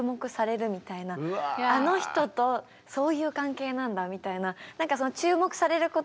あの人とそういう関係なんだみたいな。